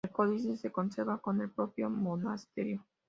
El códice se conserva en el propio monasterio.